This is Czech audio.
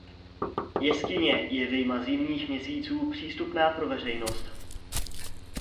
Jeskyně je vyjma zimních měsíců přístupná pro veřejnost.